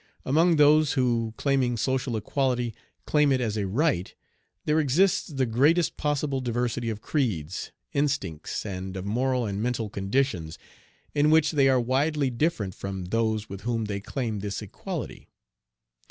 Among those who, claiming social equality, claim it as a right, there exists the greatest possible diversity of creeds, instincts, and of moral and mental conditions, in which they are widely different from those with whom they claim this equality.